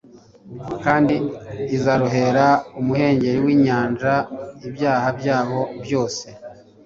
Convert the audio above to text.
kandi Izarohera imuhengeri w'inyanja ibyaha byabo byose.»